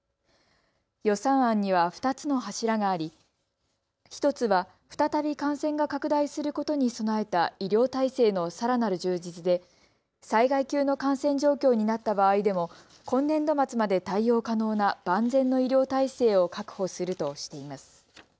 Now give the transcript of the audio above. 予算案には２つの柱があり１つは再び感染が拡大することに備えた医療体制のさらなる充実で災害級の感染状況になった場合でも今年度末まで対応可能な万全の医療体制を確保するとしています。